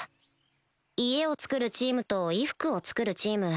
家を造るチームと衣服を作るチーム